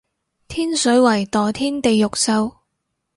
天水圍墮天地獄獸